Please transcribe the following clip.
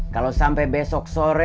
kalau sampai besok sore